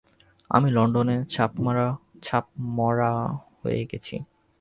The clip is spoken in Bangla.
আমি লণ্ডনে ছাপমারা হয়ে গেছি।